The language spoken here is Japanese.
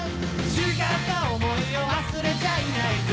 誓った思いを忘れちゃいないぜ